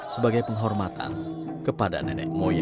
sebagai penghormatan kepada nenek moyang